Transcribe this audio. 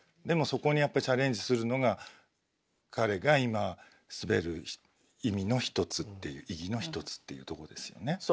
でもそこにやっぱチャレンジするのが彼が今滑る意味の一つっていう意義の一つっていうとこですよね。